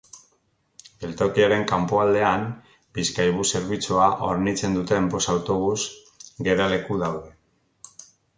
Geltokiaren kanpoaldean Bizkaibus zerbitzua hornitzen duten bost autobus geraleku daude.